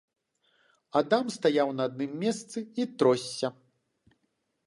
Адам стаяў на адным месцы і тросся.